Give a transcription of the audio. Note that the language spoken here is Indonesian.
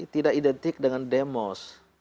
tidak identik dengan demos